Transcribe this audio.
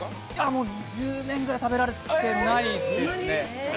もう２０年ぐらい食べられてないですね。